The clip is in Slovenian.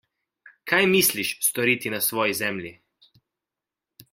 Kaj misliš storiti na svoji zemlji?